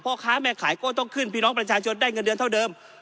พ่อค้าแม่ขายก็ต้องขึ้นพี่น้องประชาชนได้เงินเดือนเท่าเดิม